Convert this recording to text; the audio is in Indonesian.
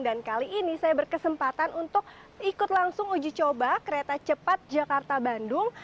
dan kali ini saya berkesempatan untuk ikut langsung uji coba kereta cepat jakarta bandung